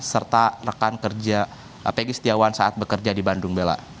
serta rekan kerja peggie setiawan saat bekerja di bandung bella